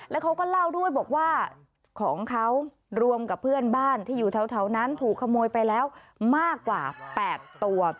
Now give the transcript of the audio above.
แล้วเขาก็เล่าด้วยบอกว่าของเขารวมกับเพื่อนบ้านที่อยู่แถวนั้นถูกขโมยไปแล้วมากกว่า๘ตัว